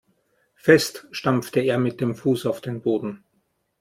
Fest stampfte er mit dem Fuß auf den Boden.